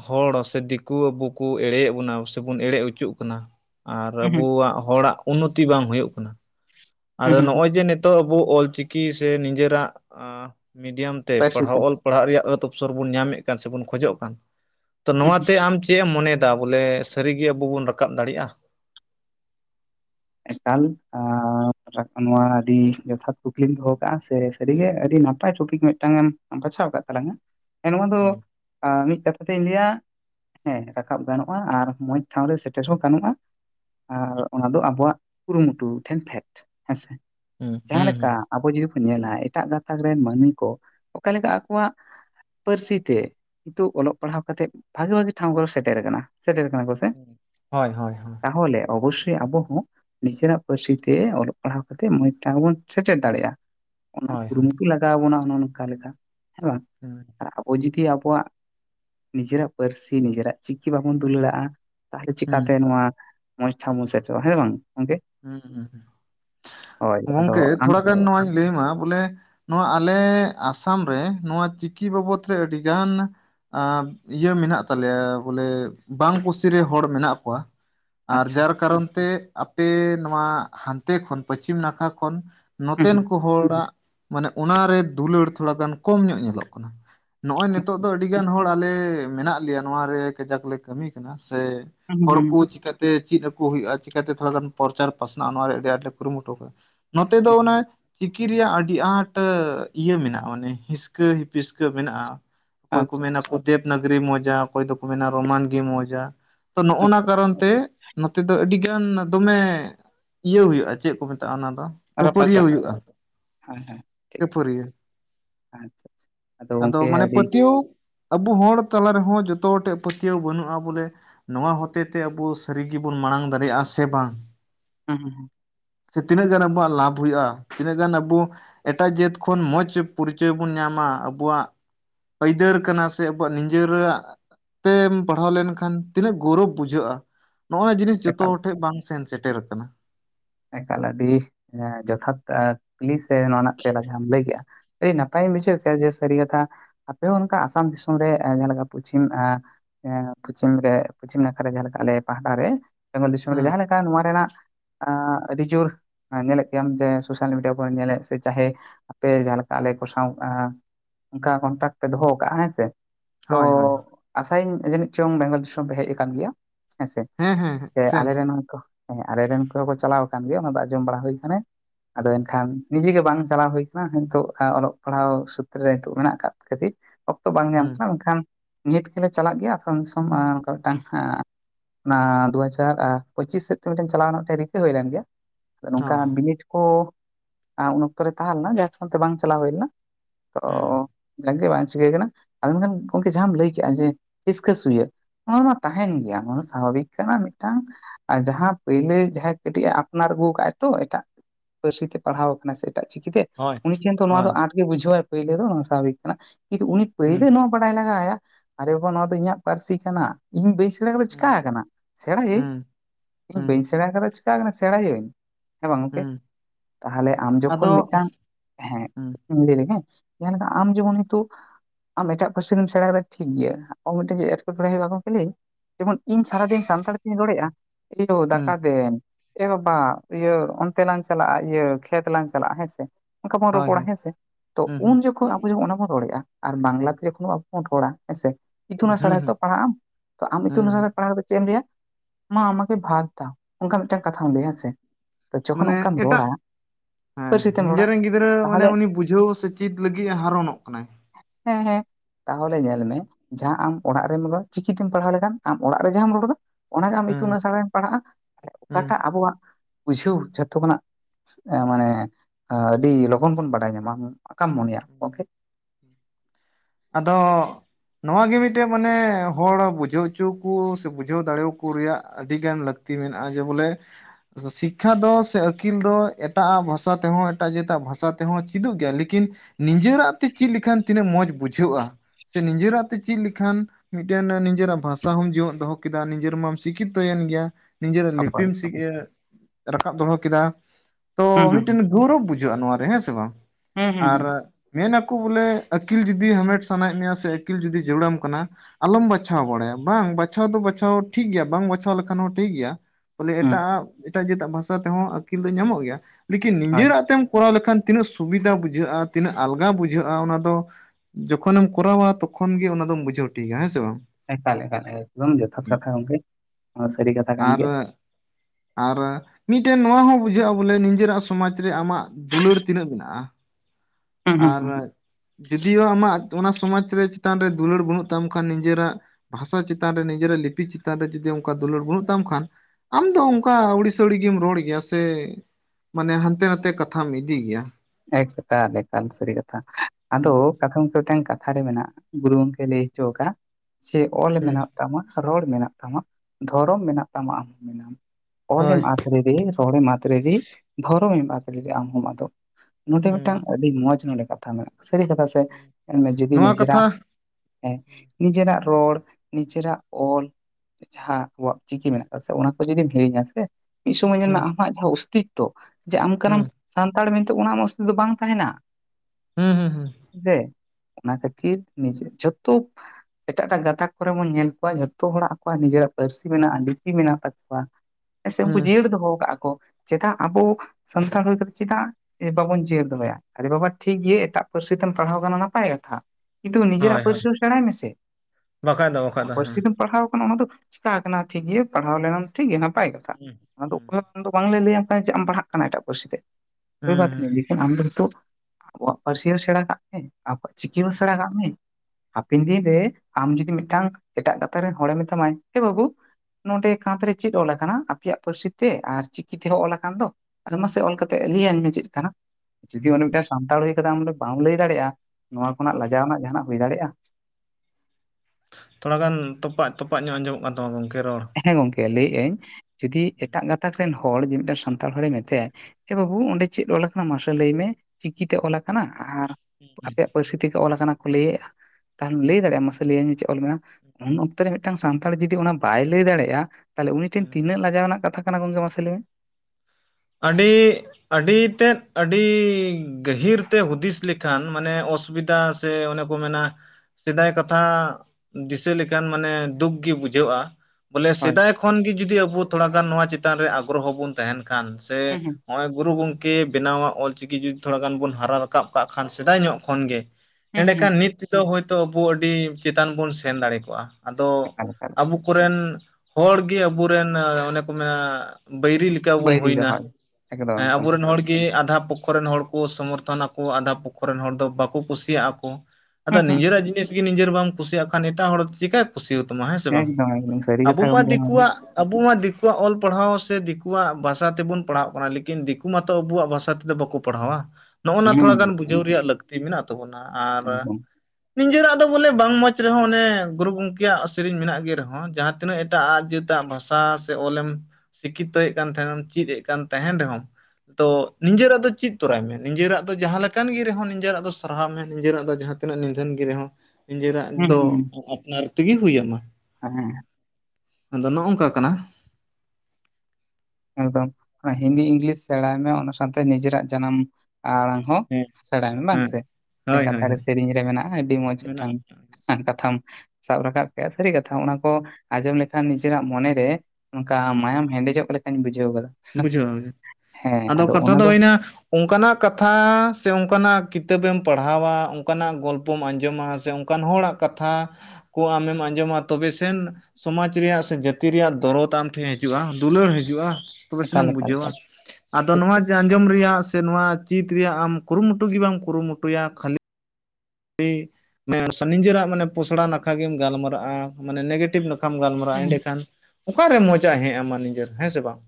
ᱦᱚᱲ ᱥᱮ ᱫᱤᱠᱩ ᱟᱵᱚ ᱠᱚ ᱮᱲᱮᱭᱮᱫ ᱵᱚᱱᱟ ᱥᱮᱵᱚᱱ ᱮᱲᱮ ᱦᱚᱪᱚ ᱪᱩᱜ ᱠᱟᱱᱟ, ᱟᱨ ᱦᱩᱸ ᱦᱩᱸ ᱟᱵᱚᱣᱟᱜ ᱦᱚᱲᱟᱜ ᱩᱱᱱᱚᱛᱤ ᱵᱟᱝ ᱦᱩᱭᱩᱜ ᱠᱟᱱᱟ᱾ ᱦᱩᱸ ᱟᱫᱚ ᱦᱩᱸ ᱱᱚᱜᱼᱚᱭ ᱡᱮ ᱱᱤᱛᱚᱜ ᱟᱵᱚ ᱚᱞ ᱪᱤᱠᱤ ᱥᱮ ᱱᱤᱡᱮᱨᱟᱜ ᱢᱤᱰᱤᱭᱟᱢ ᱛᱮ ᱯᱟᱲᱦᱟᱣ ᱚᱞ ᱯᱟᱲᱦᱟᱜ ᱨᱮᱭᱟᱜ ᱟᱹᱛ ᱚᱯᱥᱚᱨ ᱵᱚᱱ ᱧᱟᱢᱮᱫ ᱠᱟᱱ, ᱥᱮᱵᱚᱱ ᱠᱷᱚᱡᱚᱜ ᱠᱟᱱ, ᱛᱚ ᱦᱩᱸ ᱦᱩᱸ ᱱᱚᱣᱟᱛᱮ ᱟᱢ ᱪᱮᱫ ᱮᱢ ᱢᱚᱱᱮᱭᱮᱼᱫᱟ ᱾ ᱵᱚᱞᱮ ᱥᱟᱹᱨᱤᱜᱮ ᱟᱵᱚ ᱵᱚᱱ ᱨᱟᱠᱟᱵ ᱫᱟᱲᱮᱭᱟᱜᱼᱟ? ᱮᱠᱟᱞ ᱟ, ᱱᱚᱣᱟ ᱟᱹᱰᱤ ᱡᱚᱛᱷᱟᱛ ᱠᱩᱠᱞᱤᱢ ᱫᱚᱦᱚ ᱠᱟᱜᱼᱟ ᱥᱮ ᱥᱟᱹᱨᱤᱜᱮ ᱟᱹᱰᱤ ᱱᱟᱯᱟᱭ ᱴᱚᱯᱤᱠ ᱢᱤᱫᱴᱟᱝ ᱮᱢ ᱵᱟᱪᱷᱟᱣ ᱠᱟᱫ ᱛᱟᱞᱟᱝᱟᱸ ᱱᱚᱣᱟ ᱫᱚ ᱦᱩᱸ ᱟᱻ ᱢᱤᱫ ᱠᱟᱛᱷᱟ ᱛᱤᱧ ᱞᱟᱹᱭᱟ ᱾ ᱦᱮᱸ ᱨᱟᱠᱟᱵ ᱜᱟᱱᱚᱜᱼᱟ᱾ ᱟᱨ ᱢᱚᱸᱡᱽ ᱴᱷᱟᱶ ᱨᱮ ᱥᱮᱴᱮᱨ ᱦᱚᱸ ᱜᱟᱱᱚᱜᱼᱟ᱾ ᱟᱨ ᱚᱱᱟ ᱫᱚ ᱟᱵᱚᱣᱟᱜ ᱠᱩᱨᱩᱢᱩᱴᱩ ᱴᱷᱮᱱ ᱯᱷᱮᱰ ᱦᱮᱸᱥᱮ ᱦᱩᱸ ᱡᱟᱸᱦᱟ ᱦᱩᱸ ᱦᱩᱸ ᱞᱮᱠᱟ᱾ ᱟᱵᱚ ᱡᱩᱫᱤ ᱵᱚᱱ ᱧᱮᱞᱟ ᱮᱴᱟᱜ ᱜᱟᱛᱟᱠ ᱨᱮᱱ ᱢᱟᱹᱱᱢᱤ ᱠᱚ ᱚᱠᱟ ᱞᱮᱠᱟ ᱟᱠᱚᱣᱟᱜ ᱯᱟᱹᱨᱥᱤ ᱛᱮ ᱱᱤᱛᱚᱜ ᱚᱞᱚᱜ ᱯᱟᱲᱦᱟᱣ ᱠᱟᱛᱮ ᱵᱷᱟᱜᱤ ᱵᱷᱟᱜᱤ ᱴᱷᱟᱶ ᱠᱚ ᱥᱮᱴᱮᱨ ᱟᱠᱟᱱᱟ ᱥᱮᱴᱮᱨ ᱟᱠᱟᱱᱟ ᱠᱚ ᱥᱮ ᱦᱳᱭ ᱦᱳᱭ ᱦᱳᱭ ᱾ ᱛᱟᱦᱚᱞᱮ ᱚᱵᱚᱥᱥᱚᱭ ᱟᱵᱚ ᱦᱚᱸ ᱱᱤᱡᱮᱨᱟᱜ ᱯᱟᱹᱨᱥᱤ ᱛᱮ ᱚᱞᱚᱜ ᱯᱟᱲᱦᱟᱣ ᱠᱟᱛᱮ ᱢᱚᱸᱡᱽ ᱴᱟ ᱵᱚᱱ ᱥᱮᱴᱮᱨ ᱫᱟᱲᱮᱭᱟᱜᱼᱟ, ᱚᱱᱟ ᱦᱳᱭ ᱦᱳᱭ ᱠᱩᱨᱩᱢᱩᱴᱩ ᱞᱟᱜᱟᱣ ᱵᱚᱱᱟ ᱚᱱᱚ ᱱᱚᱝᱠᱟ ᱞᱮᱠᱟ ᱦᱮᱸ ᱵᱟᱝ᱾ [inaudible] ᱟᱨ ᱟᱵᱚ ᱡᱩᱫᱤ ᱟᱵᱚᱣᱟᱜ ᱱᱤᱡᱮᱨᱟᱜ ᱯᱟᱹᱨᱥᱤ ᱱᱤᱡᱮᱨᱟᱜ ᱪᱤᱠᱤ ᱵᱟᱵᱚᱱ ᱫᱩᱞᱟᱹᱲᱟᱜᱼᱟ ᱾ ᱛᱟᱦᱚᱞᱮ ᱦᱩᱸ ᱪᱤᱠᱟᱛᱮ ᱱᱚᱣᱟ ᱢᱚᱸᱡᱽ ᱴᱷᱟᱣ ᱥᱮᱴᱮᱨᱚᱜᱼᱟ᱾ ᱦᱮᱸ ᱵᱟᱝ ᱾ ᱦᱳᱭ ᱦᱮᱸ ᱟᱫᱚ ᱜᱚᱝᱠᱮ ᱟᱢ ᱛᱷᱚᱲᱟ ᱜᱟᱱ ᱱᱚᱣᱟᱧ ᱞᱟᱹᱭᱢᱟ ᱵᱚᱞᱮ ᱱᱚᱣᱟ ᱟᱞᱮ ᱟᱥᱟᱢ ᱨᱮ ᱱᱚᱣᱟ ᱪᱤᱠᱤ ᱵᱟᱵᱚᱫ ᱨᱮ ᱟᱹᱰᱤᱜᱟᱱ ᱟᱸᱻ ᱤᱭᱟᱹ ᱢᱮᱱᱟᱜ ᱛᱟᱞᱮᱭᱟ ᱵᱚᱞᱮ ᱵᱟᱝ ᱠᱩᱥᱤᱨᱮ ᱦᱚᱲ ᱢᱮᱱᱟᱜ ᱠᱚᱣᱟ ᱾ ᱟᱨ ᱟᱪᱪᱷᱟ ᱡᱨ ᱠᱟᱨᱚᱱ ᱛᱮ ᱟᱯᱮ ᱱᱚᱣᱟ ᱦᱟᱱᱛᱮ ᱠᱷᱚᱱ ᱯᱚᱪᱷᱤᱢ ᱱᱟᱠᱷᱟ ᱠᱷᱚᱱ᱾ ᱦᱩᱸ ᱱᱚᱛᱮᱱ ᱦᱩᱸ ᱠᱚ ᱦᱚᱲᱟᱜ ᱢᱟᱱᱮ ᱚᱱᱟᱨᱮ ᱫᱩᱞᱟᱹᱲ ᱛᱷᱚᱲᱟ ᱜᱟᱱ ᱠᱚᱢ ᱧᱚᱜ ᱧᱮᱞᱚᱜ ᱠᱟᱱᱟ ᱾ ᱱᱚᱜᱼᱚᱭ ᱱᱤᱛᱚᱜ ᱟᱪᱪᱷᱟ ᱫᱚ ᱟᱹᱰᱤ ᱜᱟᱱ ᱦᱚᱲ ᱟᱞᱮ ᱢᱮᱱᱟᱜ ᱞᱮᱭᱟ ᱱᱚᱣᱟᱨ ᱨᱮ ᱠᱟᱡᱟᱠ ᱞᱮ ᱠᱟᱹᱢᱤ ᱠᱟᱱᱟ ᱥᱮ᱾ ᱦᱩᱸ ᱦᱩᱸ ᱦᱩᱸ ᱦᱚᱲᱠᱩ ᱪᱤᱠᱟᱛᱮ ᱪᱮᱫ ᱟᱠᱚ ᱦᱩᱭᱩᱜᱼᱟᱺ ᱪᱮᱠᱟᱛᱮ ᱛᱷᱚᱲᱟ ᱜᱟᱱ ᱯᱨᱚᱪᱟᱨ ᱯᱟᱥᱱᱟᱜ ᱚᱱᱟᱨᱮ ᱟᱹᱰᱤ ᱟᱸᱴ ᱞᱮ ᱠᱩᱨᱩᱢᱩᱴᱩ ᱟᱠᱟᱫᱟ, ᱱᱚᱛᱮ ᱫᱚ ᱚᱱᱮ ᱦᱩᱸ ᱪᱤᱠᱤ ᱨᱮᱭᱟᱜ ᱟᱹᱰᱤ ᱟᱸᱴ ᱤᱭᱟᱹ ᱢᱮᱱᱟᱜᱼᱟ, ᱢᱟᱱᱮ ᱦᱤᱥᱠᱟᱹ ᱦᱤᱯᱤᱥᱠᱟᱹ ᱢᱮᱱᱟᱜᱼᱟ ᱾ ᱚᱠᱚᱭ ᱠᱚ ᱟᱪᱪᱷᱟ ᱢᱮᱱᱟ ᱟᱪᱪᱷᱟ ᱠᱚ ᱫᱮᱵᱽ ᱱᱟᱜᱚᱨᱤ ᱢᱚᱡᱟ, ᱚᱠᱚᱭ ᱫᱚᱠᱚ ᱢᱮᱱᱟ ᱨᱳᱢᱟᱱ ᱜᱤ ᱢᱚᱡᱟ, ᱛᱚ ᱱᱚᱜᱼᱱᱟ ᱟᱪᱪᱷᱟ ᱠᱟᱨᱚᱱ ᱛᱮ ᱱᱚᱛᱮ ᱱᱚᱛᱮ ᱫᱚ ᱟᱹᱰᱤ ᱜᱟᱱ ᱫᱚᱢᱮ ᱤᱭᱟᱹ ᱦᱩᱭᱩᱜᱼᱟ, ᱪᱮᱫ ᱠᱚ ᱢᱮᱛᱟᱜᱼᱟ ᱚᱱᱟ ᱫᱚ᱾ ᱠᱟᱹᱯᱟᱹᱨᱤᱭᱟᱹ ᱨᱟᱯᱟᱪᱟᱜ ᱦᱩᱭᱩᱜᱼᱟ᱾ ᱦᱮᱸ ᱦᱮᱸ ᱴᱷᱤᱠ ᱴᱷᱤᱠ ᱠᱟᱹᱯᱟᱹᱨᱤᱭᱟᱹ ᱟᱪᱪᱷᱟ ᱟᱪᱪᱷᱟ ᱟᱫᱚ ᱜᱚᱝᱠᱮ ᱢᱟᱱᱮ ᱟᱹᱰᱤ ᱯᱟᱹᱚᱛᱭᱟᱹᱣ, ᱟᱵᱚ ᱦᱚᱲ ᱛᱟᱞᱟ ᱨᱮᱦᱚᱸ ᱡᱚᱛᱚ ᱦᱚᱲ ᱴᱮᱡ ᱯᱟᱹᱛᱭᱟᱹᱣ ᱵᱟᱹᱱᱩᱜᱼᱟ ᱵᱚᱞᱮ ᱾ ᱱᱚᱣᱟ ᱦᱚᱛᱮᱛᱮ ᱟᱵᱚ ᱥᱟᱹᱨᱤ ᱜᱮᱵᱚᱱ ᱢᱟᱲᱟᱝ ᱫᱟᱲᱮᱭᱟᱜᱼᱟ ᱥᱮ ᱵᱟᱝ? ᱦᱮᱸ ᱥᱮ ᱛᱤᱱᱟᱹᱜ ᱜᱟᱱ ᱟᱵᱚᱣᱟᱜ ᱞᱟᱵᱷ ᱦᱩᱭᱩᱜᱼᱟ, ᱛᱤᱱᱟᱹᱜ ᱜᱟᱱ ᱟᱵᱚ ᱮᱴᱟᱜ ᱡᱟᱹᱛ ᱠᱷᱚᱱ ᱢᱚᱡᱽ ᱯᱚᱨᱤᱪᱚᱭ ᱵᱚᱱ ᱧᱟᱢᱟ ᱟᱵᱚᱣᱟᱜ ᱟᱹᱭᱫᱟᱹᱨ ᱠᱟᱱᱟ ᱥᱮ ᱟᱵᱚᱣᱟᱜ ᱱᱤᱡᱮᱨᱟᱜ ᱛᱮᱢ ᱯᱟᱲᱦᱟᱣ ᱞᱮᱱᱠᱷᱟᱱ ᱛᱤᱱᱟᱹᱜ ᱜᱚᱨᱚᱵ ᱵᱩᱡᱷᱟᱹᱜᱼᱟ ᱾ ᱱᱚᱜᱼᱚ ᱱᱚᱣᱟ ᱡᱤᱱᱤᱥ ᱡᱚᱛᱚ ᱮᱠᱟᱞ ᱦᱚᱲ ᱴᱷᱮᱱ ᱵᱟᱝ ᱥᱮᱱ ᱥᱮᱴᱮᱨ ᱟᱠᱟᱱᱟ ᱾ ᱮᱠᱟᱞ ᱟᱹᱰᱤ ᱡᱚᱛᱷᱟᱛ ᱠᱞᱤ ᱥᱮ ᱱᱚᱣᱟ ᱨᱮᱱᱟᱜ ᱛᱮᱞᱟ ᱡᱟᱦᱟᱸᱟᱢ ᱞᱟᱹᱭ ᱠᱮᱫᱼᱟ᱾ ᱟᱹᱰᱤ ᱱᱟᱯᱟᱭᱤᱧ ᱵᱩᱡᱷᱟᱹᱣ ᱠᱮᱫᱮᱭᱟ ᱡᱮ ᱥᱟᱹᱨᱤ ᱠᱟᱛᱷᱟ ᱟᱯᱮ ᱦᱚᱸ ᱚᱱᱠᱟ ᱟᱥᱟᱢ ᱫᱤᱥᱚᱢ ᱨᱮ ᱡᱟᱦᱟᱸᱮᱠᱟ ᱯᱚᱪᱷᱤᱢ ᱟᱻ ᱯᱚᱪᱷᱤᱢ ᱨᱮ ᱯᱚᱪᱷᱤᱢ ᱱᱟᱠᱷᱟ ᱨᱮ ᱡᱟᱦᱟᱸᱮ ᱞᱮᱠᱟ ᱟᱞᱮ ᱯᱟᱦᱴᱟ ᱨᱮ ᱵᱮᱝᱜᱚᱞ ᱫᱤᱥᱚᱢ ᱨᱮ ᱦᱩᱸ ᱡᱟᱦᱟᱸᱮᱠᱟ ᱱᱚᱣᱟ ᱨᱮᱱᱟᱜ, ᱟᱹᱰᱤ ᱡᱳᱨ ᱧᱮᱞᱮᱫ ᱜᱮᱭᱟᱢ ᱡᱮ ᱥᱳᱥᱟᱞ ᱢᱤᱰᱤᱭᱟ ᱩᱯᱚᱨ ᱧᱮᱞᱮᱫ ᱥᱮ ᱪᱟᱦᱮ, ᱟᱯᱮ ᱡᱟᱦᱟᱸᱮᱠᱟ ᱟᱞᱮ ᱠᱚᱥᱟᱣ ᱠᱟᱜ ᱚᱱᱠᱟ ᱠᱚᱱᱴᱨᱟᱠᱴ ᱯᱮ ᱫᱚᱦᱚ ᱟᱠᱟᱫᱟᱼᱟ ᱦᱮᱸᱥᱮ ᱾ ᱦᱳᱭ ᱦᱳᱭ ᱟᱥᱟᱭᱟᱹᱧ ᱡᱟᱹᱱᱤᱡ ᱪᱚᱝ ᱵᱟᱝᱜᱚᱞ ᱫᱤᱥᱚᱢ ᱯᱮ ᱦᱮᱡ ᱟᱠᱟᱱ ᱜᱮᱭᱟ ᱦᱮᱸ ᱥᱮ ᱦᱮᱸ ᱥᱮ ᱥᱮᱢ ᱟᱞᱮᱨᱮᱱ ᱦᱚᱛᱚ, ᱦᱮᱸ ᱟᱞᱮᱨᱮ ᱨᱮᱱ ᱠᱚᱦ ᱠᱚ ᱪᱟᱞᱟᱣ ᱟᱠᱟᱱ ᱜᱮᱭᱟ ᱚᱱᱟ ᱫᱚ ᱟ ᱡᱚᱢ ᱵᱟᱲᱟ ᱦᱩᱭ ᱟᱠᱟᱱᱟ, ᱟᱫᱚ ᱦᱮᱸ ᱮᱱᱠᱷᱟᱱ ᱱᱤᱡᱮ ᱜᱮ ᱵᱟᱝ᱾ ᱪᱟᱞᱟᱣ ᱦᱩᱭ ᱟᱠᱟᱱᱟ ᱱᱤᱛᱚᱜ ᱚᱞᱚᱜ ᱯᱟᱲᱦᱟᱣ ᱥᱩᱛᱨᱮ ᱱᱤᱛ ᱢᱮᱱᱟᱜ ᱟᱠᱟᱫ ᱠᱷᱟᱹᱛᱤᱨ ᱚᱠᱛᱚ ᱵᱟᱝ ᱧᱟᱢ ᱦᱮᱸ ᱦᱩᱸ ᱠᱟᱱᱟ ᱢᱮᱱᱠᱷᱟᱱ᱾ ᱱᱤᱭᱟᱹᱛ ᱜᱮᱞᱮ ᱪᱟᱞᱟᱜ ᱜᱮᱭᱟ ᱟᱥᱟᱢ ᱫᱤᱥᱚᱢ ᱱᱚᱝᱠᱟ ᱢᱤᱫᱴᱟᱝ᱾ ᱚᱱᱟ ᱫᱩ ᱦᱟᱡᱟᱨ ᱯᱚᱸᱪᱤᱥ ᱥᱮᱫ ᱛᱮ ᱢᱤᱫᱴᱟᱝ ᱪᱟᱞᱟᱣ ᱨᱮᱱᱟᱜ ᱢᱤᱫᱴᱮᱱ ᱨᱤᱠ ᱦᱩᱭ ᱞᱮᱱ ᱜᱮᱭᱟᱼᱟ ᱚ ᱱᱚᱝᱠᱟ ᱵᱤᱱᱤᱰ ᱠᱚ᱾ ᱩᱱ ᱚᱠᱛᱚ ᱨᱮ ᱛᱟᱦᱮᱸ ᱞᱮᱱᱟ, ᱡᱟ ᱦᱳᱠ ᱚᱱᱛᱮ ᱵᱟᱝ ᱪᱟᱞᱟᱣ ᱦᱩᱭ ᱞᱮᱱᱟ ᱛᱚ ᱦᱩᱸ ᱾ ᱡᱟᱜᱮ ᱵᱟᱝ ᱪᱤᱠᱟᱹᱭ ᱠᱟᱱᱟ ᱟᱫᱚ ᱢᱮᱱᱠᱷᱟᱱ ᱜᱚᱢᱠᱮ ᱡᱟᱦᱟᱸᱢ ᱞᱟᱹᱭ ᱠᱮᱫᱮᱜᱼᱟ ᱡᱮ ᱰᱤᱥ ᱠᱟᱥ ᱦᱩᱭ ᱮᱱ᱾ ᱱᱚᱣᱟ ᱢᱟ ᱛᱟᱦᱮᱱ ᱜᱮᱭᱟ ᱱᱚᱣᱟ ᱫᱚ ᱥᱟᱵᱷᱟᱵᱤᱠ ᱠᱟᱱᱟ ᱢᱤᱫᱴᱟᱝ ᱡᱟᱦᱟᱸ ᱯᱟᱹᱭᱞᱳ ᱡᱟᱸᱦᱟ᱾ ᱠᱟᱹᱴᱤᱡ ᱮ ᱟᱯᱱᱟᱨ ᱟᱹᱜᱩ ᱟᱠᱟᱫ ᱛᱚ ᱮᱴᱟᱜ ᱯᱟᱹᱨᱥᱤ ᱛᱮ ᱯᱟᱲᱦᱟᱣ ᱟᱠᱟᱱᱟ ᱥᱮ ᱮᱴᱟᱜ ᱪᱤᱠᱤᱛᱮ ᱦᱳᱭ ᱾ ᱩᱱᱤ ᱠᱤᱱᱛᱩ ᱱᱚᱣᱟ ᱦᱳᱭ ᱫᱚ ᱟᱴ ᱜᱮ ᱵᱩᱡᱷᱟᱹᱣᱟᱭ, ᱯᱳᱭᱞᱳ ᱫᱚ ᱱᱚᱣᱟ ᱥᱟᱵᱷᱟᱵᱤᱠ ᱠᱟᱱᱟ ᱠᱤᱱᱛᱩ ᱩᱱᱤ ᱦᱩᱸ ᱯᱟᱹᱭᱞᱳ ᱱᱚᱣᱟ‌᱾ ᱵᱟᱲᱟᱭ ᱞᱟᱜᱟᱣ ᱟᱨᱮ ᱵᱟᱵᱟ ᱱᱚᱣᱟ ᱫᱚ ᱤᱧᱟᱹᱜ ᱯᱟᱹᱨᱥᱤ ᱠᱟᱱᱟ ᱾ ᱤᱧ ᱵᱟᱹᱧ ᱥᱮᱬᱟ ᱟᱠᱟᱫᱟ ᱪᱤᱠᱟ ᱦᱩᱸ ᱟᱠᱟᱱᱟ ᱥᱮᱬᱟᱭᱟᱹᱧ, ᱦᱩᱸ ᱤᱧ ᱦᱩᱸ ᱵᱟᱹᱧ ᱥᱮᱬᱟ ᱟᱠᱟᱫᱟ ᱪᱮᱠᱟ ᱟᱠᱟᱱᱟ ᱥᱮᱬᱟᱭᱟᱹᱧ ᱾ ᱦᱮᱸ ᱵᱟᱝ ᱜᱚᱢᱠᱮ ᱦᱩᱸ ᱛᱟᱦᱞᱮ ᱟᱢ ᱡᱚᱠᱷᱚᱱ ᱟᱫᱚ ᱢᱤᱫᱴᱟᱝ ᱦᱮᱸ ᱦᱩᱸ ᱾ ᱤᱧᱤᱧ ᱞᱟᱹᱭ ᱞᱮᱜᱮ ᱦᱮᱸ ᱡᱟᱸᱦᱟ ᱞᱮᱠᱟ ᱟᱢ ᱡᱮᱢᱚᱱ ᱱᱤᱛᱳ᱾ ᱟᱢ ᱮᱴᱟᱜ ᱯᱟᱹᱨᱥᱤ ᱫᱚᱢ ᱥᱮᱬᱟ ᱠᱮᱫᱟ ᱴᱷᱤᱠ ᱜᱮᱭᱟ ᱟᱵᱚ ᱢᱤᱫᱴᱮᱱ ᱮᱴᱠᱮ ᱴᱚᱲᱮ ᱦᱩᱭᱩᱜᱼᱟ [inaudible] ᱡᱮᱢᱚᱱ᱾ ᱤᱧ ᱥᱟᱨᱟᱫᱤᱱ ᱥᱟᱱᱛᱟᱲᱤ ᱛᱤᱧ ᱨᱚᱲᱮᱼᱟ ᱮᱭᱳ ᱦᱩᱸ ᱫᱟᱠᱟ ᱫᱮᱱ᱾ ᱮ ᱵᱟᱵᱟ ᱤᱭᱟᱹ ᱚᱱᱛᱮ ᱞᱟᱝ ᱪᱟᱞᱟᱼᱟ ᱤᱭᱟᱹ ᱠᱷᱮᱛ ᱞᱟᱝ ᱪᱟᱞᱟᱜᱼᱟ ᱦᱮᱸ ᱥᱮ᱾ ᱚᱱᱠᱟ ᱵᱚᱱ ᱦᱳᱭ ᱨᱚᱯᱚᱲᱼᱟ ᱦᱳᱭ ᱦᱮᱸ ᱥᱮ ᱛᱚ ᱦᱩᱸ ᱩᱱ ᱦᱩᱸ ᱡᱚᱠᱷᱚᱱ ᱾ ᱱᱚᱜ ᱚᱭ ᱡᱮᱢᱚᱱ ᱚᱱᱟ ᱵᱚᱱ ᱨᱚᱲᱼᱟ ᱟᱨ ᱵᱟᱝᱞᱟᱛᱮ ᱡᱚᱠᱷᱚᱱ ᱟᱵᱚ ᱵᱚᱱ ᱨᱚᱲᱟ ᱦᱮᱸᱥᱮᱻᱻ ᱤᱛᱩᱱ ᱟᱥᱲᱟ ᱨᱮ ᱦᱩᱸ ᱛᱚ ᱦᱩᱸ ᱯᱟᱲᱦᱟᱜ ᱟᱢ ᱟᱢ ᱤᱛᱩᱱ ᱟᱥᱲᱟ ᱦᱩᱸ ᱨᱮ ᱯᱟᱲᱦᱟᱣ ᱠᱟᱛᱮ ᱪᱮᱫ ᱮᱢ ᱞᱟᱹᱭᱼᱟ? ᱢᱟ ᱟᱢᱟᱠᱮ ᱵᱷᱟᱛ ᱮᱫᱳ ᱚᱱᱠᱟ ᱢᱤᱫᱴᱟᱱ ᱠᱟᱛᱷᱟᱢ ᱦᱩᱸ ᱞᱟᱹᱭᱟ ᱥᱮᱮ ᱡᱚᱠᱷᱚᱱ ᱢᱟᱱᱮ ᱚᱱᱠᱟᱢ ᱮᱴᱟᱜ ᱨᱚᱲᱼᱟ᱾ ᱦᱮᱸ ᱱᱤᱡᱮᱨᱮᱱ ᱜᱤᱫᱽᱨᱟᱹ ᱢᱟᱱᱮ ᱩᱱᱤ ᱵᱩᱡᱷᱟᱹᱣ ᱥᱮ ᱪᱮᱫ ᱞᱟᱹᱜᱤᱫ ᱦᱟᱨᱚᱱ ᱠᱟᱱᱟ᱾ ᱦᱮᱸ ᱦᱮᱸ ᱛᱟᱦᱚᱞᱮ ᱧᱮᱞ ᱢᱮ ᱡᱟᱦᱟᱸ ᱟᱢ ᱚᱲᱟᱜ ᱨᱮᱢ ᱨᱚᱲᱟ ᱪᱤᱠᱤᱛᱮᱢ ᱯᱟᱲᱦᱟᱣ ᱞᱮᱠᱷᱟᱱ ᱟᱢ ᱚᱲᱟᱜ ᱨᱮ ᱡᱟᱦᱟᱸᱢ ᱨᱚᱲ ᱫᱟ᱾ ᱚᱱᱟᱜᱮ ᱟᱢ ᱦᱩᱸ ᱤᱛᱩᱱ ᱟᱥᱲᱮᱢ ᱯᱟᱲᱦᱟᱼᱟ ᱦᱩᱸ ᱚᱠᱟᱴᱟᱸ ᱟᱵᱚᱣᱟ ᱵᱩᱡᱷᱟᱹᱣ ᱡᱷᱟᱹᱛᱚ ᱠᱟᱱᱟ ᱾ ᱢᱟᱱᱮ ᱟᱹᱰᱤ ᱞᱚᱜᱚᱱ ᱵᱚᱱ ᱵᱟᱰᱟᱭ ᱧᱟᱢᱟ ᱚᱠᱟᱢ ᱢᱚᱱᱮᱭᱟ ᱜᱚᱢᱠᱮ᱾ ᱟᱫᱚ ᱱᱚᱣᱟ ᱜᱮ ᱢᱤᱫᱴᱮᱱ ᱢᱟᱱᱮ ᱦᱚᱲ ᱵᱩᱡᱷᱟᱹᱣ ᱚᱪᱚ ᱟᱠᱩ ᱥᱮ ᱵᱩᱡᱷᱟᱹᱣ ᱫᱟᱲᱮᱣᱟᱠᱩ ᱨᱮᱭᱟᱜ ᱟᱹᱰᱤ ᱜᱟᱱ ᱞᱟᱹᱠᱛᱤ᱾ ᱛᱤ ᱢᱮᱱᱟᱼᱟ ᱡᱮ ᱵᱚᱞᱮ᱾ ᱥᱤᱠᱠᱷᱟ ᱫᱚ ᱥᱮ ᱟᱹᱠᱤᱞ ᱫᱚ ᱮᱴᱟᱜᱼᱟ ᱵᱷᱟᱥᱟ ᱛᱮᱦᱚᱸ ᱮᱴᱟᱜ ᱡᱟᱹᱛᱟᱜ ᱵᱷᱟᱥᱟ ᱛᱮᱦᱚᱸ ᱪᱮᱫᱚᱜ ᱜᱮᱭᱟ ᱞᱮᱠᱤᱱ᱾ ᱱᱤᱡᱮᱨᱟᱜ ᱛᱮ ᱪᱮᱫ ᱞᱮᱠᱷᱟᱱ ᱛᱤᱱᱟᱹᱜ ᱢᱚᱡᱽ ᱵᱩᱡᱷᱟᱹᱜᱼᱟ ᱥᱮ ᱱᱤᱡᱮᱨᱟᱜ ᱛᱮ ᱪᱮᱫ ᱞᱮᱠᱷᱟᱱ᱾ ᱢᱤᱫᱴᱮᱱ ᱱᱤᱡᱮᱨᱟᱜ ᱵᱷᱟᱥᱟ ᱦᱚᱸᱢᱤᱭᱮᱫ ᱫᱚᱦᱚ ᱠᱮᱫᱟ ᱱᱤᱡᱮᱨ ᱢᱟᱢ ᱥᱤᱠᱠᱷᱤᱛᱚᱭᱮᱱ ᱜᱮᱭᱟ᱾ ᱱᱤᱡᱮᱨᱟᱜ ᱚᱠᱚᱭ ᱞᱤᱯᱤᱢ ᱚᱵᱚᱥᱥᱳᱭ ᱤᱭᱟ ᱨᱟᱠᱟᱵ ᱫᱚᱦᱚ ᱠᱮᱫᱟ ᱛᱚ ᱦᱩᱸ ᱦᱩᱸ ᱦᱩᱸ ᱢᱤᱫᱴᱮᱱ᱾ ᱜᱳᱣᱨᱚᱵᱽ ᱵᱩᱡᱷᱟᱹᱜᱼᱟ ᱱᱚᱣᱟ ᱨᱮ ᱦᱮᱸ ᱥᱮ ᱵᱟᱝ ᱦᱩᱸ ᱦᱩᱸ ᱟᱨ ᱦᱩᱸ ᱢᱮᱱ ᱟᱠᱚ ᱵᱚᱞᱮ ᱟᱹᱠᱤᱞ ᱡᱩᱫᱤ᱾ ᱡᱩᱫᱤ ᱦᱟᱢᱮᱴ ᱥᱟᱱᱟᱭᱮᱫ ᱢᱮᱭᱟ ᱥᱮ ᱟᱹᱠᱤᱞ ᱡᱩᱫᱤ ᱡᱟᱹᱲ ᱟᱢ ᱠᱟᱱᱟ᱾ ᱟᱞᱚᱢ ᱵᱟᱪᱷᱟᱣ ᱵᱟᱲᱟᱭᱟ ᱵᱟᱝ ᱵᱟᱪᱷᱟᱣ ᱫᱚ ᱵᱟᱪᱷᱟᱣ ᱴᱷᱤᱠ ᱜᱮᱭᱟ ᱵᱟᱝ ᱵᱟᱪᱷᱟᱣ ᱞᱮᱠᱷᱟᱱ ᱦᱚᱸ ᱴᱷᱤᱠ ᱜᱮᱭᱟ᱾ ᱵᱚᱞᱮ ᱦᱩᱸ ᱮᱴᱟᱜ ᱮᱴᱟ ᱡᱟᱹᱛᱟ ᱵᱷᱟᱥᱟ ᱛᱮᱦᱚᱸ ᱟᱹᱠᱤᱞ ᱫᱚ ᱧᱟᱢᱚᱜ ᱜᱮᱭᱟ ᱞᱮᱠᱤᱱ ᱦᱳᱭ ᱱᱤᱡᱮᱨᱟᱜ ᱛᱮᱢ᱾ ᱠᱚᱨᱟᱣ ᱞᱮᱠᱷᱟᱱ ᱛᱤᱱᱟᱹ ᱥᱩᱵᱤᱫᱷᱟ ᱵᱩᱡᱷᱟᱹᱜᱼᱟ ᱛᱤᱱᱟᱹᱜ ᱟᱞᱜᱟ ᱵᱩᱡᱷᱟᱹᱜᱼᱟ ᱚᱱᱟᱫᱚ᱾ ᱡᱚᱠᱷᱚᱱᱮᱢ ᱠᱚᱨᱟᱣᱟ ᱛᱚᱠᱷᱚᱱ ᱜᱮ ᱚᱱᱟᱫᱢ ᱵᱩᱡᱷᱟᱹᱣ ᱴᱷᱤᱭᱟ ᱦᱮᱸ ᱥᱮ ᱵᱟᱝ? ᱮᱠᱟᱞ ᱮᱠᱟᱞ ᱡᱚᱛᱷᱟᱛ ᱠᱟᱛᱷᱟ ᱜᱚᱝᱠᱮ ᱱᱚᱭᱟ ᱥᱟᱹᱨᱤ ᱠᱟᱛᱷᱟ ᱠᱟᱱ ᱟᱨ ᱜᱮᱭᱟ᱾ ᱟᱨ ᱢᱤᱫᱴᱮᱱ ᱱᱚᱣᱟ ᱦᱚᱸ ᱵᱩᱡᱷᱟᱹᱜᱼᱟ ᱵᱚᱞᱮ ᱱᱤᱡᱮᱨᱟ ᱥᱚᱢᱟᱡᱽ ᱨᱮ ᱟᱢᱟᱜ ᱫᱩᱞᱟᱹᱲ ᱛᱤᱱᱟᱹᱜ ᱢᱮᱱᱟᱜᱼᱟ᱾ ᱦᱩᱸ ᱦᱩᱸ ᱟᱨ ᱦᱩᱸ ᱡᱩᱫᱤᱭᱳ ᱟᱢᱟᱜ ᱚᱱᱟ ᱥᱚᱢᱟᱡᱽ ᱨᱮ ᱪᱮᱛᱟᱱ ᱨᱮ ᱫᱩᱞᱟᱹᱲ ᱵᱟᱹᱱᱩᱜ ᱛᱟᱢ ᱠᱷᱟᱱ ᱱᱤᱡᱮᱨᱟ᱾ ᱵᱷᱟᱥᱟ ᱪᱮᱛᱟᱱ ᱨᱮ ᱱᱤᱡᱮᱨᱟᱜ ᱞᱤᱯᱤ ᱪᱮᱛᱟᱱ ᱨᱮ ᱡᱩᱫᱤ ᱚᱱᱠᱟ ᱫᱩᱞᱟᱹᱲ ᱵᱟᱹᱱᱩᱜ ᱛᱟᱢ ᱠᱷᱟᱱ᱾ ᱟᱢ ᱫᱚ ᱚᱱᱠᱟ ᱟᱹᱣᱲᱤ ᱥᱟᱹᱣᱲᱤ ᱜᱮᱢ ᱨᱚᱲ ᱜᱮᱭᱟ ᱥᱮ᱾ ᱢᱟᱱᱮ ᱦᱟᱱᱛᱮ ᱱᱟᱛᱮ ᱠᱟᱛᱷᱟᱢ ᱤᱫᱤ ᱜᱮᱭᱟ᱾ ᱮᱠᱟᱞ ᱮᱠᱟᱞ ᱥᱟᱹᱨ ᱠᱟᱛᱷᱟ ᱟᱫᱚ ᱦᱩᱸ ᱠᱟᱛᱷᱟ ᱢᱤᱫᱴᱟᱝ ᱠᱟᱛᱷᱟ ᱨᱮ ᱢᱮᱱᱟᱼᱟ ᱜᱩᱨᱩ ᱜᱚᱝᱠᱮ ᱞᱟᱹᱭ ᱦᱚᱪᱚ ᱟᱠᱟ ᱡᱮ ᱚᱞ ᱦᱩᱸ ᱢᱮᱱᱟᱜ᱾ ᱛᱟᱢᱟ ᱨᱚᱲ ᱢᱮᱱᱟᱜ ᱛᱟᱢᱟ ᱫᱷᱚᱨᱚᱢ ᱢᱮᱱᱟᱜ ᱛᱟᱢᱟ ᱟᱢ ᱦᱚᱸ ᱢᱮᱱᱟᱢ ᱚᱞ ᱮᱢ ᱦᱳᱭ ᱟᱫ᱾ ᱨᱮᱻᱨᱮ ᱨᱚᱲ ᱟᱫ ᱨᱮ ᱫᱷᱚᱨᱚᱢ ᱟᱫᱨᱮ ᱟᱢ ᱦᱚᱸᱢ ᱟᱫᱚ᱾ ᱱᱚᱰᱮ ᱢᱤᱫᱴᱟᱱ ᱦᱩᱸ ᱟᱹᱰᱤ ᱢᱚᱸᱡᱽ ᱱᱚᱰᱮ ᱠᱟᱛᱷᱟ ᱢᱮᱱᱟᱜᱼᱟ ᱥᱟᱹᱨᱤ ᱠᱟᱛᱷᱟ ᱥᱮ ᱡᱚᱫᱤ ᱱᱚᱣᱟ ᱱᱤᱡᱮᱨᱟᱜ᱾ ᱠᱟᱛᱷᱟ ᱦᱮᱸ ᱱᱤᱡᱮ ᱨᱟᱜ ᱨᱚᱲ, ᱱᱤᱡᱮ ᱨᱟᱜ ᱚᱞ ᱡᱟᱦᱟᱸ ᱟᱵᱚᱣᱟ ᱪᱤᱠᱤ ᱢᱮᱱᱟ ᱠᱟᱫᱟ ᱥᱮ ᱚᱱᱟ ᱠᱚ ᱡᱩᱫᱤᱢ ᱦᱤᱲᱤᱧᱟ ᱥᱮ ᱢᱤᱫ ᱥᱚᱢᱚᱭ ᱧᱮᱞ ᱢᱮ ᱦᱩᱸ ᱟᱢᱟ ᱡᱟᱦᱟᱸ ᱚᱥᱛᱤᱛᱛᱚ ᱡᱮ ᱟᱢ ᱠᱟᱱᱟᱢ ᱦᱩᱸ ᱥᱟᱱᱛᱟᱲ ᱢᱮᱱᱛᱮ ᱚᱱᱟ ᱟᱢᱟᱜ ᱚᱥᱛᱤᱛᱛᱚ ᱵᱟᱝ ᱛᱟᱦᱮᱱᱟ᱾ ᱦᱩᱸ ᱦᱩᱸ ᱦᱩᱸ ᱥᱮ ᱚᱱᱟ ᱠᱷᱟᱹᱛᱤᱨ ᱱᱤᱡᱮ ᱡᱚᱛᱚᱻᱻ ᱮᱴᱟᱜ ᱮᱴᱟᱜ ᱜᱟᱛᱷᱟ ᱠᱚᱨᱮ ᱵᱚᱱ ᱧᱮᱞ ᱠᱚᱣᱟ ᱡᱷᱚᱛᱚ ᱦᱚᱲᱟᱜ ᱟᱠᱚᱣᱟᱜ ᱱᱤᱡᱮᱨᱟᱜ ᱯᱟᱹᱨᱥᱤ ᱢᱮᱱᱟᱜᱼᱟ, ᱞᱤᱯᱤ ᱢᱮᱱᱟᱜ ᱛᱟᱠᱚᱣᱟ᱾ ᱦᱮᱸ ᱥᱮ ᱩᱱᱠᱩ ᱦᱩᱸ ᱡᱤᱭᱟᱹᱲ ᱫᱚᱦᱚ ᱠᱟᱜᱼᱟ, ᱠᱚ᱾ ᱪᱮᱫᱟᱜ ᱟᱵᱚ ᱥᱟᱱᱛᱟᱲ ᱦᱩᱭ ᱠᱟᱛᱮᱫ ᱪᱮᱫᱟᱜ ᱵᱟᱵᱚᱱ ᱡᱤᱭᱟᱹᱲ ᱫᱚᱦᱚᱭᱟ, ᱟᱨᱮ ᱵᱟᱵᱟ ᱴᱷᱤᱠ ᱜᱮᱭᱟ ᱮᱴᱟᱜ ᱯᱟᱹᱨᱥᱤ ᱛᱮᱢ ᱯᱟᱲᱦᱟᱣ ᱠᱟᱱᱟ ᱱᱟᱯᱟᱭ ᱠᱟᱛᱷᱟ᱾ ᱠᱤᱱᱛᱩ ᱱᱤᱡᱮᱨᱟᱜ ᱦᱳᱭ ᱦᱳᱭ ᱯᱟᱹᱨᱥᱤ ᱦᱚᱸ ᱥᱮᱬᱟᱭ ᱢᱮᱥᱮ, ᱵᱟᱠᱷᱟᱡ ᱫᱚ ᱵᱟᱠᱷᱟᱡ ᱫᱚ ᱯᱟᱹᱨᱥᱤ ᱦᱮᱸ ᱫᱚᱢ ᱯᱟᱲᱦᱟᱣ ᱠᱟᱱᱟ ᱚᱱᱟ ᱫᱚ ᱪᱤᱠᱠᱟ ᱟᱠᱟᱱᱟ ᱴᱷᱤᱠ ᱜᱮᱭᱟ, ᱯᱟᱲᱦᱟᱣ ᱞᱮᱱᱟ ᱴᱷᱤᱠ ᱜᱮᱭᱟ᱾ ᱱᱟᱯᱟᱭ ᱠᱟᱛᱷᱟ ᱦᱩᱸ ᱟᱫᱚ ᱚᱠᱟ ᱫᱚ ᱵᱟᱝᱞᱮ ᱞᱟᱹᱭᱟᱢ ᱠᱟᱱᱟ ᱡᱮ ᱟᱢ ᱯᱟᱲᱦᱟ ᱠᱟᱱᱟ ᱮᱴᱟᱜ ᱯᱟᱹᱨᱥᱤ ᱛᱮ ᱦᱩᱸ ᱞᱮᱠᱤᱱ ᱟᱢ ᱫᱚ ᱱᱤᱛᱚ ᱟᱵᱚᱣᱟᱜ ᱯᱟᱹᱨᱥᱤ ᱦᱚᱸ ᱥᱮᱬᱟ ᱠᱟᱜ ᱢᱮ᱾ ᱟᱵᱚᱣᱟᱜ ᱪᱤᱠᱤ ᱦᱚᱸ ᱥᱮᱬᱟ ᱠᱟᱜ ᱢᱮ᱾ ᱦᱟᱯᱮᱱ ᱫᱤᱱ ᱨᱮ ᱟᱢ ᱡᱩᱫᱤ ᱢᱤᱫᱴᱟᱝ ᱮᱴᱟᱜ ᱜᱟᱛᱷᱟ ᱨᱮ ᱦᱚᱲᱮ ᱢᱮᱛᱟᱢᱟᱭ ᱦᱮᱸ ᱵᱟᱹᱵᱩ ᱱᱚᱰᱮ ᱠᱟᱸᱛ ᱨᱮ ᱪᱮᱫ ᱚᱞ ᱟᱠᱟᱱᱟ? ᱟᱯᱮᱭᱟᱜ ᱯᱟᱹᱨᱥᱤ ᱛᱮ ᱟᱨ ᱪᱤᱠᱤ ᱛᱮᱦᱚᱸ ᱚᱞ ᱟᱠᱟᱱ ᱫᱚ᱾ ᱟᱫᱚ ᱢᱟᱥᱮ ᱚᱞ ᱠᱟᱛᱮᱫ ᱞᱟᱹᱭᱟᱹᱧ ᱢᱮ ᱪᱮᱫ ᱠᱟᱱᱟ? ᱡᱩᱫᱤ ᱚᱱᱤ ᱢᱤᱫᱴᱟᱱ ᱥᱟᱱᱛᱟᱲ ᱦᱩᱭ ᱠᱟᱛᱮ ᱟᱢ ᱫᱚ ᱵᱟᱢ ᱞᱟᱹᱭ ᱫᱟᱲᱮᱭᱟᱜᱼᱟ, ᱱᱚᱣᱟ ᱠᱷᱚᱱᱟᱜ ᱦᱩᱸ ᱞᱟᱡᱟᱣ ᱨᱮᱱᱟᱜ ᱡᱟᱦᱟᱱᱟᱜ ᱦᱩᱭ ᱫᱟᱲᱮᱭᱟᱜᱼᱟ᱾ ᱛᱷᱚᱲᱟ ᱜᱟᱱ ᱛᱚᱯᱟᱜ ᱛᱚᱯᱟᱜ ᱧᱚᱜ ᱟᱸᱡᱚᱢᱚᱜ ᱠᱟᱱ ᱛᱟᱢᱟ ᱜᱚᱢᱠᱮ ᱨᱚᱲ᱾ ᱦᱮᱸ ᱜᱚᱝᱠᱮ ᱞᱟᱹᱭᱮᱫ ᱟᱹᱧ ᱡᱩᱫᱤ ᱮᱴᱟᱜ ᱜᱟᱛᱟᱠ ᱨᱮᱱ ᱦᱚᱲ ᱡᱮ ᱢᱤᱫᱴᱮᱱ ᱥᱟᱱᱛᱟᱲ ᱦᱚᱲᱮ ᱢᱮᱛᱟᱭᱟ ᱮ ᱵᱟᱹᱵᱩ ᱚᱸᱰᱮ ᱪᱮᱫ ᱚᱞ ᱟᱠᱟᱱᱟ, ᱢᱟᱥᱮ ᱞᱟᱹᱭ ᱢᱮ ᱪᱤᱠᱤ ᱛᱮ ᱚᱞ ᱟᱠᱟᱱᱟ ᱟᱨ ᱦᱩᱸ ᱟᱯᱮᱭᱟᱜ ᱯᱟᱹᱨᱥᱤ ᱛᱮᱜᱮ ᱚᱞ ᱟᱠᱟᱱᱟ ᱠᱚ ᱞᱟᱹᱭᱮᱜᱼᱟ, ᱛᱟᱦᱚᱞᱮ ᱞᱟᱹᱭ ᱫᱟᱲᱮᱭᱟᱜᱼᱟ ᱢᱟᱥᱮ ᱞᱟᱹᱭᱟᱹᱧ ᱢᱮ ᱪᱮᱫ ᱚᱞ ᱢᱮᱱᱟ ᱩᱱ ᱚᱠᱛᱚ ᱨᱮ ᱢᱤᱫᱴᱟᱝ ᱥᱟᱱᱛᱟᱲ ᱡᱩᱫᱤ ᱚᱱᱟ ᱵᱟᱭ ᱞᱟᱹᱭ ᱫᱟᱲᱮᱭᱟᱜᱼᱟ, ᱛᱟᱦᱚᱞᱮ ᱩᱱᱤ ᱴᱷᱮᱱ ᱛᱤᱱᱟᱹᱜ ᱞᱟᱡᱟᱣ ᱨᱮᱱᱟᱜ ᱠᱟᱛᱷᱟ ᱠᱟᱱᱟ ᱜᱚᱢᱠᱮ ᱢᱟᱥᱮ ᱞᱟᱹᱭ ᱢᱮ᱾ ᱟᱹᱰᱤ ᱟᱹᱰᱤ ᱛᱮᱫ ᱟᱹᱰᱤ ᱜᱟᱹᱦᱤᱨ ᱛᱮ ᱦᱩᱫᱤᱥ ᱞᱮᱠᱷᱟᱱ ᱢᱟᱱᱮ ᱚᱥᱩᱵᱤᱫᱟ ᱥᱮ ᱚᱱᱮ ᱠᱚ ᱢᱮᱱᱟ ᱥᱮᱫᱟᱭ ᱠᱟᱛᱷᱟ ᱫᱤᱥᱟᱹ ᱞᱮᱠᱷᱟᱱ ᱢᱟᱱᱮ ᱫᱩᱠ ᱜᱮ ᱵᱩᱡᱷᱟᱹᱜᱼᱟ᱾ ᱵᱚᱞᱮ ᱦᱳᱭ ᱥᱮᱫᱟᱭ ᱠᱷᱚᱱ ᱜᱮ ᱡᱩᱫᱤ ᱟᱵᱚ ᱛᱷᱚᱲᱟᱜᱟᱱ ᱱᱚᱣᱟ ᱪᱮᱛᱟᱱ ᱨᱮ ᱟᱜᱽᱨᱚᱦᱚ ᱵᱚᱱ ᱛᱟᱦᱮᱱ ᱠᱷᱟᱱ ᱥᱮ ᱦᱩᱸ ᱦᱩᱸ ᱱᱚᱜᱼᱚᱭ ᱜᱩᱨᱩ ᱜᱚᱝᱠᱮ ᱵᱮᱱᱟᱣᱟᱜ ᱚᱞ ᱪᱤᱠᱤ ᱡᱩᱫᱤ ᱛᱷᱚᱲᱟ ᱜᱟᱱ ᱵᱚᱱ ᱦᱟᱨᱟ ᱨᱟᱠᱟᱵ ᱠᱟᱜ ᱠᱷᱟᱱ ᱥᱮᱫᱟᱭ ᱧᱚᱜ ᱠᱷᱚᱱ ᱜᱮ ᱦᱩᱸ ᱮᱸᱰᱮ ᱦᱩᱸ ᱠᱷᱟᱱ ᱱᱤᱛ ᱛᱮᱫᱚ ᱦᱳᱭᱛᱳ ᱟᱵᱚ ᱟᱹᱰᱤ ᱪᱮᱛᱟᱱ ᱵᱚᱱ ᱥᱮᱱ ᱫᱟᱲᱮ ᱠᱚᱜᱼᱟ, ᱟᱫᱚ ᱮᱠᱟᱞ ᱮᱠᱟᱞ ᱟᱵᱚ ᱠᱚᱨᱮᱱ ᱦᱚᱲ ᱜᱮ ᱟᱵᱚ ᱨᱮᱱ ᱚᱱᱮ ᱠᱚ ᱢᱮᱱᱟ ᱵᱟᱹᱭᱨᱤ ᱞᱮᱠᱟ᱾ ᱵᱚᱱ ᱵᱟᱹᱭᱨᱤ ᱫᱚ ᱦᱩᱭᱱᱟ ᱦᱚᱭ᱾ ᱦᱮᱸ ᱟᱵᱚ ᱨᱮᱱ ᱦᱚᱲ ᱜᱮ ᱟᱫᱷᱟ ᱯᱚᱠ ᱯᱚᱠᱷᱚ ᱨᱮᱱ ᱦᱚᱲ ᱠᱚ ᱥᱚᱢᱚᱨᱛᱷᱚᱱ ᱟᱠᱚ ᱟᱫᱷᱟ ᱯᱚᱠᱠᱷᱚ ᱨᱮᱱ ᱦᱚᱲ ᱫᱚ ᱵᱟᱠᱚ ᱠᱩᱥᱤᱭᱟᱜᱼᱟ ᱠᱚ ᱟᱫᱚ ᱦᱩᱸ ᱦᱩᱸ ᱱᱤᱡᱮᱨᱟᱜ ᱡᱤᱱᱤᱥ ᱱᱤᱡᱮᱨ ᱵᱟᱢ ᱠᱩᱥᱤᱭᱟᱜ ᱠᱷᱟᱱ ᱮᱴᱟᱜ ᱦᱚᱲ ᱪᱤᱠᱟᱹᱭ ᱠᱩᱥᱤᱭᱟ ᱛᱟᱢᱟ ᱦᱮᱸ ᱥᱮ ᱵᱟᱝ ᱮᱠᱫᱚᱢ ᱮᱠᱫᱚᱢ ᱥᱟᱹᱨᱤ ᱠᱟᱛᱷᱟ ᱟᱵᱚᱢ ᱢᱟ ᱜᱚᱝᱠᱮ ᱱᱚᱣᱟ ᱫᱚ ᱫᱤᱠᱩᱣᱟᱜ ᱟᱵᱚ ᱢᱟ ᱫᱤᱠᱩᱣᱟᱜ ᱚᱞ ᱯᱟᱲᱦᱟᱣ ᱥᱮ ᱫᱤᱠᱩᱣᱟᱜ ᱵᱷᱟᱥᱟ ᱛᱮᱵᱩᱱ ᱯᱟᱲᱦᱟᱜ ᱠᱟᱱᱟ ᱞᱮᱠᱤᱱ ᱫᱤᱠᱩ ᱢᱟᱛᱚ ᱟᱵᱚᱣᱟᱜ ᱵᱟᱥᱟ ᱛᱮᱫᱚ ᱵᱟᱠᱚ ᱯᱟᱲᱦᱟᱣᱟ ᱱᱚᱜᱼᱚ ᱱᱟ ᱛᱷᱚᱲᱟ ᱦᱩᱸ ᱜᱟᱱ ᱦᱩᱸ ᱵᱩᱡᱷᱟᱹᱣ ᱨᱮᱭᱟᱜ ᱞᱟᱹᱠᱛᱤ ᱛᱤ ᱢᱮᱱᱟᱜ ᱛᱟᱵᱚᱱᱟ ᱟᱨ ᱮᱠᱫᱚᱢ ᱱᱤᱡᱮᱨᱟᱜ ᱫᱚ ᱵᱚᱞᱮ ᱵᱟᱝ ᱢᱚᱸᱡᱽ ᱨᱮᱦᱚᱸ ᱚᱱᱮ ᱜᱩᱨᱩ ᱜᱚᱝᱠᱮᱭᱟᱜ ᱥᱮᱨᱮᱧ ᱢᱮᱱᱟᱜ ᱜᱮ ᱨᱮᱦᱚᱸ ᱡᱟᱦᱟᱸ ᱛᱤᱱᱟᱹᱜ ᱮᱴᱟᱜᱼᱟ, ᱡᱟᱹᱛ ᱟᱜ ᱵᱷᱟᱥᱟ ᱥᱮ ᱚᱞᱮᱢ ᱥᱤᱠᱠᱷᱤᱛᱚᱭᱮᱫ ᱠᱟᱱ ᱛᱟᱦᱮᱸᱱᱟ ᱪᱮᱫ ᱮᱫ ᱠᱟᱱ ᱛᱟᱦᱮᱱ ᱨᱮᱦᱚᱸ᱾ ᱛᱚ ᱱᱤᱡᱮᱨᱟᱜ ᱫᱚ ᱪᱮᱫ ᱛᱚᱨᱟᱭ ᱢᱮ ᱱᱤᱡᱮᱨᱟᱜ ᱫᱚ ᱡᱟᱦᱟᱸ‌ ᱞᱮᱠᱟᱱ ᱜᱮ ᱨᱮᱦᱚᱸ ᱱᱤᱡᱮᱨᱟᱜ ᱫᱚ ᱥᱟᱨᱦᱟᱜ ᱢᱮ ᱱᱤᱡᱮᱨᱟᱜ ᱫᱚ ᱡᱟᱦᱟᱸ ᱛᱤᱱᱟᱹᱜ ᱱᱤᱫᱟᱹᱱ ᱜᱮ ᱨᱮᱦᱚᱸ ᱱᱤᱡᱮᱨᱟᱜ ᱦᱩᱸ ᱫᱚ ᱦᱩᱸ ᱟᱯᱱᱟᱨ ᱛᱮᱜᱮ ᱦᱩᱭᱢᱟ᱾ ᱦᱮᱸ ᱟᱫᱚ ᱱᱚᱜ ᱱᱚᱝᱠᱟ ᱠᱟᱱᱟ ᱮᱠᱫᱚᱢ ᱚᱱᱟ ᱦᱤᱱᱫᱤ ᱤᱝᱞᱤᱥ ᱥᱮᱬᱟᱭ ᱢᱮ, ᱚᱱᱟ ᱥᱟᱶᱛᱮ ᱱᱤᱡᱮᱨᱟᱜ ᱡᱟᱱᱟᱢ ᱟᱲᱟᱝ ᱦᱚᱸ ᱦᱮᱸ ᱥᱮᱲᱟᱭ ᱢᱮ ᱦᱮᱸ ᱵᱟᱝᱸᱥᱮ ᱢᱤᱫᱴᱮᱱ ᱦᱳᱭ ᱠᱟᱛᱷᱟ ᱦᱳᱭ ᱨᱮ ᱦᱳᱭ ᱥᱮᱨᱮᱧ ᱨᱮ ᱢᱮᱱᱟᱜᱼᱟ᱾ ᱟᱹᱰᱤ ᱢᱚᱸᱡᱽ ᱢᱤᱫᱴᱟᱝ ᱢᱮᱱᱟᱜᱼᱟ ᱢᱮᱱᱟᱜᱼᱟ ᱠᱟᱛᱷᱟᱢ ᱥᱟᱵ ᱨᱟᱠᱟᱵ ᱠᱮᱭᱟ ᱥᱟᱹᱨᱤ ᱠᱟᱛᱷᱟ, ᱚᱱᱟ ᱠᱚ ᱟᱸᱡᱚᱢ ᱞᱮᱠᱷᱟᱱ ᱱᱤᱡᱮᱨᱟᱜ ᱢᱚᱱᱮ ᱨᱮ ᱚᱱᱠᱟ ᱢᱟᱭᱟᱢ ᱦᱮᱰᱮᱡᱚᱜ ᱞᱮᱠᱟᱧ ᱵᱩᱡᱷᱟᱹᱣ ᱟᱠᱟᱫᱟ᱾ ᱵᱩᱡᱷᱟᱹᱣᱟ, ᱟᱫᱚ ᱠᱟᱛᱷᱟ ᱫᱚ ᱦᱩᱭᱱᱟ ᱚᱱᱠᱟᱱᱟᱜ ᱠᱟᱛᱷᱟ ᱥᱮ ᱚᱱᱠᱟᱱᱟᱜ ᱠᱤᱛᱟᱹᱵᱮ ᱮᱢ ᱯᱟᱲᱦᱟᱣᱟ ᱚᱱᱠᱟᱱᱟᱜ ᱜᱚᱞᱯᱚᱢ ᱟᱸᱡᱚᱢᱟ ᱥᱮ ᱚᱱᱠᱟᱱ ᱦᱚᱲᱟᱜ ᱠᱟᱛᱷᱟ ᱠᱚ ᱟᱢᱮᱢ ᱟᱸᱡᱚᱢᱟ ᱛᱚᱵᱮ ᱥᱮᱱ ᱥᱚᱢᱟᱡᱽ ᱨᱮᱭᱟᱜ ᱥᱮ ᱡᱟᱹᱛᱤ ᱨᱮᱭᱟᱜ ᱫᱚᱨᱚᱫ ᱟᱢ ᱴᱷᱮᱱ ᱦᱤᱡᱩᱜᱼᱟ, ᱫᱩᱞᱟᱹᱲ ᱦᱤᱡᱩᱜᱼᱟ᱾ ᱛᱚᱵᱮ ᱮᱠᱟᱞ ᱥᱮᱱᱮᱢ ᱮᱠᱟᱞ ᱵᱩᱡᱷᱟᱹᱣᱟ ᱮᱠᱟᱞ ᱟᱫᱚ ᱴᱷᱤᱠ ᱱᱚᱣᱟ ᱴᱷᱤᱠ ᱟᱸᱡᱚᱢ ᱨᱮᱭᱟᱜ ᱥᱮ ᱱᱚᱣᱟ ᱪᱤᱛ ᱨᱮᱭᱟᱜ ᱟᱢ ᱠᱩᱨᱩᱢᱩᱴᱩ ᱜᱮ ᱵᱟᱢ ᱠᱩᱨᱩᱢᱩᱴᱩᱭᱟ ᱠᱷᱟᱹᱞᱤ [inaudible] ᱱᱤᱡᱮᱨᱟᱜ ᱢᱟᱱᱮ ᱯᱚᱥᱲᱟ ᱱᱟᱠᱷᱟ ᱜᱮᱢ ᱜᱟᱞᱢᱟᱨᱟᱜᱼᱟ, ᱢᱟᱱᱮ ᱱᱮᱜᱮᱴᱤᱵᱷ ᱱᱟᱠᱷᱟ᱾ ᱜᱟᱞᱢᱟᱨᱟᱜᱼᱟ, ᱦᱩᱸ ᱮᱸᱰᱮᱠᱷᱟᱱ ᱚᱠᱟᱨᱮ ᱢᱚᱡᱟ ᱦᱮᱡᱼᱟᱢᱟ ᱱᱤᱡᱮᱨ ᱦᱮᱸ ᱥᱮ ᱵᱟᱝ᱾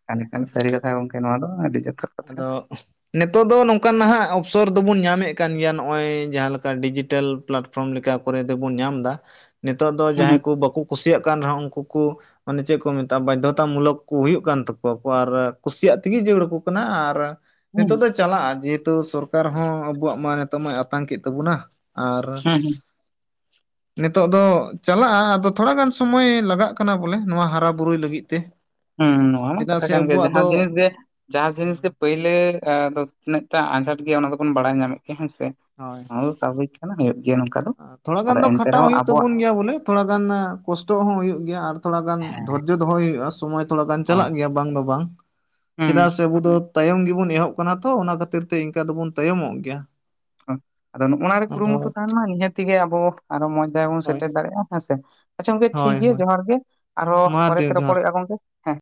[inaudible] ᱮ ᱠᱷᱟᱱ ᱥᱟᱹᱨᱤ ᱠᱟᱛᱷᱟ ᱜᱚᱢᱠᱮ ᱱᱚᱣᱟ ᱫᱚ ᱟᱹᱰᱤ ᱡᱚᱛᱷᱟᱛ ᱠᱟᱛᱷᱟ ᱟᱫᱚ ᱱᱤᱛᱚᱜ ᱫᱚ ᱱᱚᱝᱠᱟ ᱱᱟᱦᱟᱜ ᱚᱯᱥᱚᱨ ᱫᱚᱵᱚᱱ ᱧᱟᱢᱮᱫ ᱠᱟᱱ ᱜᱮᱭᱟ ᱱᱚᱜᱼᱚᱭ ᱡᱟᱦᱟᱸ ᱞᱮᱠᱟ ᱰᱤᱡᱤᱴᱮᱞ ᱯᱞᱟᱸᱴ᱾ ᱯᱷᱨᱚᱢ ᱞᱮᱠᱟ ᱠᱚᱨᱮ ᱫᱚᱵᱚᱱ ᱧᱟᱢ ᱮᱫᱟ ᱱᱤᱛᱚᱜ ᱫᱚ ᱦᱩᱸ ᱡᱟᱦᱟᱸᱭ ᱦᱩᱸ ᱠᱚ ᱵᱟᱠᱚ ᱠᱩᱥᱤᱭᱟᱜ ᱠᱟᱱ ᱨᱮᱦᱚᱸ ᱩᱱᱠᱩ ᱠᱚ ᱢᱟᱱᱮ ᱪᱮᱫ ᱠᱚ ᱢᱮᱛᱟᱜᱼᱟ ᱵᱟᱫᱽᱫᱷᱚᱛᱟ ᱢᱩᱞᱚᱠ ᱠᱚ ᱦᱩᱭᱩᱜ ᱠᱟᱱ ᱛᱟᱠᱚᱣᱟ ᱠᱚ ᱟᱨ ᱠᱩᱥᱤᱭᱟᱜ ᱛᱮᱜᱮ ᱡᱟᱨᱩᱲ ᱠᱟᱱᱟ ᱟᱨ ᱱᱤᱛᱚᱜ ᱦᱩᱸ ᱫᱚ ᱪᱟᱞᱟᱜᱼᱟ ᱡᱮᱦᱮᱛᱩ ᱥᱚᱨᱠᱟᱨ ᱦᱚᱸ ᱟᱵᱚᱣᱟᱜ ᱢᱟ ᱱᱤᱛᱚᱜ ᱢᱟᱭ ᱟᱛᱟᱝ ᱠᱮᱫ ᱛᱟᱵᱚᱱᱟ᱾ ᱟᱨ ᱦᱩᱸ ᱱᱤᱛᱚᱜ ᱫᱚ ᱪᱟᱞᱟᱜᱼᱟ ᱟᱫᱚ ᱛᱷᱚᱲᱟ ᱜᱟᱱ ᱥᱚᱢᱚᱭ ᱞᱟᱜᱟᱜ ᱠᱟᱱᱟ ᱵᱚᱞᱮ ᱱᱚᱣᱟ ᱦᱟᱨᱟ ᱵᱩᱨᱩᱭ ᱞᱟᱹᱜᱤᱫ ᱛᱮ, ᱦᱮᱸ ᱱᱚᱣᱟ ᱢᱟ ᱪᱮᱫᱟᱜ ᱠᱟᱛᱷᱟ ᱥᱮ ᱠᱟᱱ ᱜᱮ ᱟᱵᱚᱣᱟᱜ ᱫᱚ ᱡᱟᱦᱟᱸ ᱡᱤᱱᱤᱥ ᱜᱮ ᱡᱟᱦᱟᱸ ᱡᱤᱱᱤᱥ ᱜᱮ ᱯᱳᱭᱞᱟᱹᱻ ᱫᱚ ᱛᱤᱱᱟᱹᱜ ᱴᱟ ᱟᱸᱡᱷᱟᱴ ᱜᱮᱭᱟ ᱚᱱᱟ ᱫᱚᱵᱚᱱ ᱵᱟᱲᱟᱭ ᱧᱟᱢᱮᱫ ᱜᱮᱭᱟ ᱦᱮᱸ ᱥᱮ ᱦᱳᱭ ᱱᱚᱣᱟ ᱫᱚ ᱥᱟᱵᱷᱟᱵᱤᱠ ᱦᱩᱭᱩᱜ ᱜᱮᱭᱟ ᱱᱚᱝᱠᱟ ᱫᱚ᱾ ᱛᱷᱚᱲᱟ ᱜᱟᱱ ᱟᱫᱚ ᱫᱚ ᱮᱱᱛᱮ ᱠᱷᱟᱴᱟᱜ ᱨᱮᱦᱚᱸ ᱦᱩᱭᱩᱜ ᱟᱵᱚᱣᱟᱜ ᱛᱟᱵᱚᱱ ᱜᱮᱭᱟ ᱵᱚᱞᱮ ᱛᱷᱚᱲᱟ ᱜᱟᱱ ᱠᱚᱥᱴᱚᱜ ᱦᱚᱸ ᱦᱩᱭᱩᱜ ᱜᱮᱭᱟ ᱟᱨ ᱛᱷᱚᱲᱟ ᱜᱟᱱ ᱫᱷᱡᱚᱻ ᱦᱮᱸ ᱫᱷᱚᱨᱡᱚ ᱫᱚᱦᱚᱭ ᱦᱩᱭᱩᱜᱼᱟ ᱥᱚᱢᱚᱭ ᱛᱷᱚᱲᱟ ᱜᱟᱱ ᱦᱳᱭ ᱪᱟᱞᱟᱜ ᱜᱮᱭᱟ ᱵᱟᱝ ᱫᱚ ᱵᱟᱝ ᱦᱩᱸ ᱪᱮᱫᱟᱜ ᱥᱮ ᱟᱵᱚ ᱫᱚᱼᱼ ᱛᱟᱭᱚᱢ ᱜᱮᱵᱚᱱ ᱮᱦᱚᱵ ᱟᱠᱟᱱᱟ ᱛᱚ ᱚᱱᱟ ᱠᱷᱟᱹᱛᱤᱨ ᱛᱮ ᱤᱱᱠᱟ ᱫᱚᱵᱚᱱ ᱛᱟᱭᱚᱢᱚᱜ ᱜᱮᱭᱟ ᱾ ᱟᱫᱚ ᱱᱚᱜᱼᱱᱟᱨᱮ ᱠᱩᱨᱩᱢᱩᱴᱩ ᱛᱟᱦᱮᱱ ᱢᱟ ᱱᱤᱦᱟᱹᱛᱜᱮ ᱟᱵᱚ ᱟᱨᱚ ᱢᱚᱸᱡᱽ ᱡᱟᱭᱜᱟ ᱵᱚᱱ ᱦᱳᱭ ᱥᱮᱴᱮᱨ ᱫᱟᱲᱮᱭᱟᱜᱼᱟ ᱦᱮᱸ ᱥᱮ? ᱟᱪᱪᱷᱟ ᱜᱚᱝᱠᱮ ᱴᱷᱤᱠ ᱦᱳᱭ ᱜᱮᱭᱟ ᱦᱳᱭ ᱡᱚᱦᱟᱨ ᱜᱮ ᱟᱨᱚ ᱢᱟ ᱯᱚᱨᱮ ᱫᱮᱣ ᱛᱮ ᱡᱚᱦᱟᱨ ᱨᱚᱯᱚᱦᱳᱭᱚᱼᱟ ᱜᱚᱝᱠᱮ ᱦᱮᱸ᱾